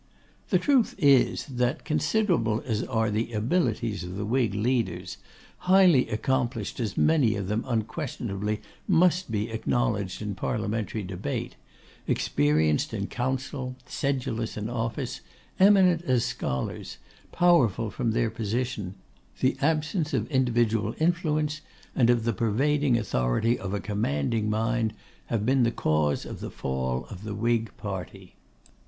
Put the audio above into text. The truth is, that, considerable as are the abilities of the Whig leaders, highly accomplished as many of them unquestionably must be acknowledged in parliamentary debate, experienced in council, sedulous in office, eminent as scholars, powerful from their position, the absence of individual influence, and of the pervading authority of a commanding mind, have been the cause of the fall of the Whig party.